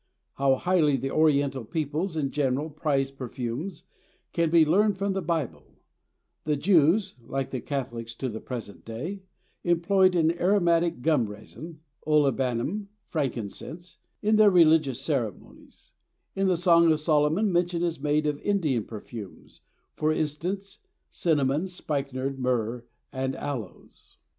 How highly the Oriental peoples in general prized perfumes can be learned from the Bible: the Jews (like the Catholics to the present day) employed an aromatic gum resin (olibanum, frankincense) in their religious ceremonies; in the Song of Solomon mention is made of Indian perfumes, for instance, cinnamon, spikenard, myrrh, and aloes.